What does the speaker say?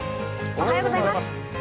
おはようございます。